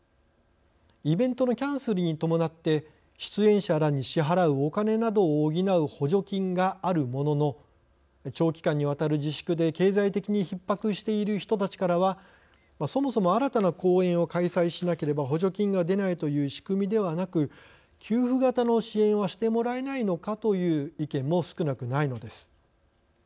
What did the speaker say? イベントのキャンセルに伴って出演者らに支払うお金などを補う補助金があるものの長期間にわたる自粛で経済的にひっ迫している人たちからはそもそも新たな公演を開催しなければ補助金が出ないという仕組みではなく給付型の支援はしてもらえないのかという意見も少なくないのです。